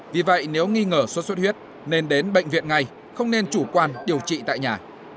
vì vậy nếu nghi ngờ sốt xuất huyết nên đến bệnh viện ngay không nên chủ quan điều trị tại nhà